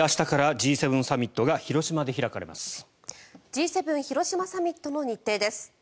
Ｇ７広島サミットの日程です。